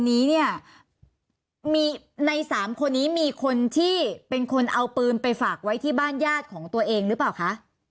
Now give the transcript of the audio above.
นี้เนี่ยมีใน๓คนนี้มีคนที่เป็นคนเอาปืนไปฝากไว้ที่บ้านญาติของตัวเองหรือเปล่าคะ